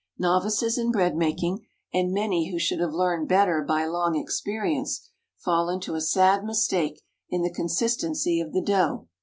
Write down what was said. Novices in bread making, and many who should have learned better by long experience, fall into a sad mistake in the consistency of the dough.